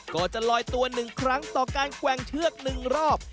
ก็จะลอยตัว๑ครั้งต่อการแกว่งเชือก๑รอบ